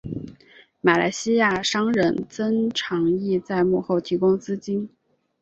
马来西亚商人曾长义在幕后提供资金。